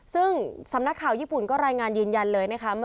ซึ่งสำนักข่าวญี่ปุ่นก็รายงานยืนยันเลยนะคะ